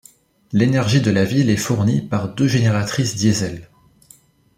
L'énergie de la ville est fournie par deux génératrices diesel.